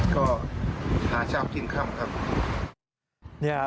ก็หาชาวทิ้งข้ำครับ